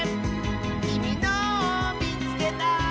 「きみのをみつけた！」